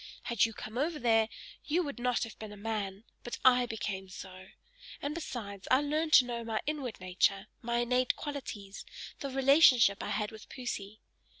Had you come over there, you would not have been a man; but I became so! And besides, I learned to know my inward nature, my innate qualities, the relationship I had with Poesy.